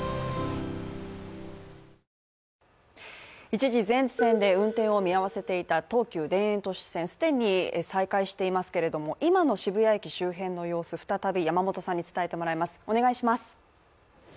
一時、全線で運転を見合わせていた東急田園都市線既に再開していますけれども今の渋谷駅周辺の様子を再び山本さんに伝えてもらいます。